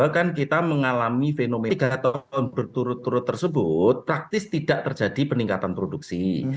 dua ribu dua puluh dua kan kita mengalami fenomena tiga tahun berturut turut tersebut praktis tidak terjadi peningkatan produksi